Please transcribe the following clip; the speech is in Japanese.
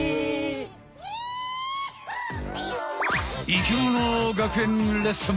生きもの学園レッスン！